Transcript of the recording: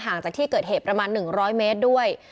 จากที่เกิดเหตุประมาณ๑๐๐เมตรด้วย